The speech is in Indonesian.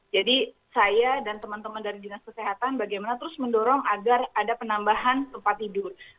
jadi saya dan teman teman dari dinas kesehatan bagaimana terus mendorong agar ada penambahan tempat tidur